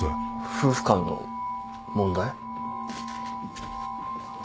夫婦間の問題？